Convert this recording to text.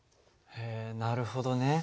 へえなるほどね。